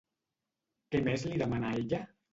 Què més li demana ella?